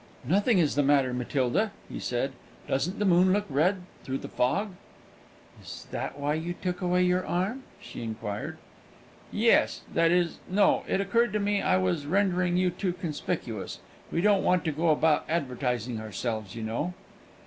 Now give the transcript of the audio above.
"Nothing is the matter, Matilda," he said. "Doesn't the moon look red through the fog?" "Is that why you took away your arm?" she inquired. "Yes that is, no. It occurred to me I was rendering you too conspicuous; we don't want to go about advertising ourselves, you know."